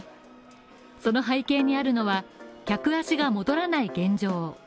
その背景にあるのは客足が戻らない現状。